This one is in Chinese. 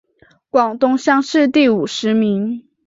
广东乡试第五十名。